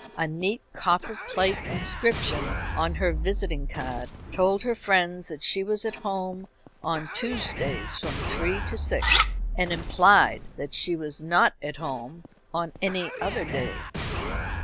A neat copper plate inscription on her visiting card told her friends that she was at home on Tuesdays from three to six, and implied that she was not at home on any other day.